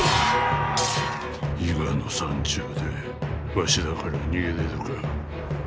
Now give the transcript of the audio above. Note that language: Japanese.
伊賀の山中でわしらから逃げれるか。